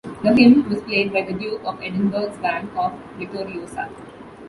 The hymn was played by the Duke of Edinburgh's Band, of Vittoriosa.